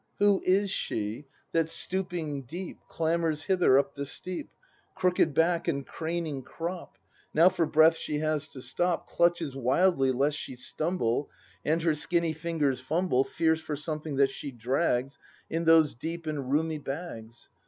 ] Who is she, that, stooping deep, Clambers hither up the steep, — Crooked Ijack and craning crop ? Now for breath she has to stop. ACT II] BRAND 83 Clutches wildly lest she stumble. And her skinny fingers fumble Fierce for something that she drags In those deep and roomy bags.